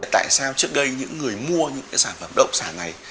tại sao trước đây những người mua những sản phẩm bất động sản này